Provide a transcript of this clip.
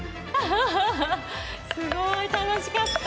すごい楽しかった。